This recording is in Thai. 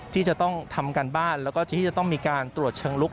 ที่จะต้องทำการบ้านแล้วก็ที่จะต้องมีการตรวจเชิงลุก